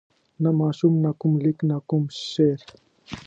نه ماشوم نه کوم لیک نه کوم شعر.